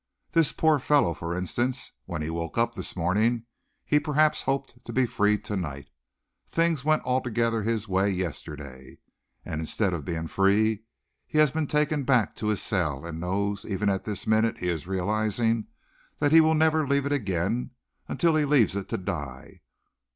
This poor fellow, for instance. When he woke up this morning, he perhaps hoped to be free to night, things went altogether his way yesterday. And instead of being free, he has been taken back to his cell, and knows even at this minute he is realizing that he will never leave it again until he leaves it to die.